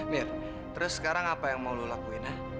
mir terus sekarang apa yang mau lo lakuin ya